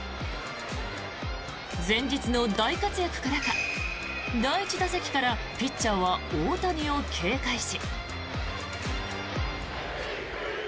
前日の大活躍からか第１打席からピッチャーは大谷を警戒し。